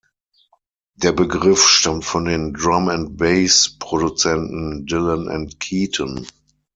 Der Begriff stammt von den Drum-and-Bass-Produzenten Dylan und Keaton.